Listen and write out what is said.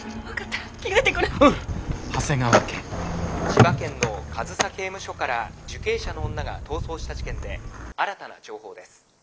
「千葉県の上総刑務所から受刑者の女が逃走した事件で新たな情報です。